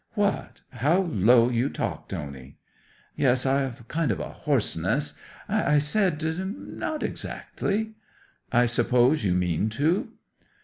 '"What? How low you talk, Tony." '"Yes—I've a kind of hoarseness. I said, not exactly." '"I suppose you mean to?"